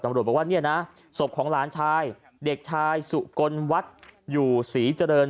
บอกว่าเนี่ยนะศพของหลานชายเด็กชายสุกลวัดอยู่ศรีเจริญ